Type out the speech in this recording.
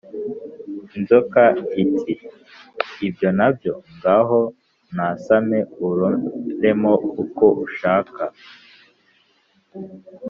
inzoka iti« ibyo na byo, ngaho nasame uroremo uko ushaka.